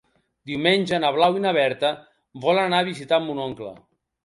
Diumenge na Blau i na Berta volen anar a visitar mon oncle.